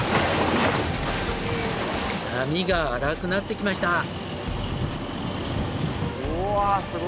波が荒くなってきました。